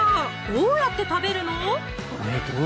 どうやって食べるの？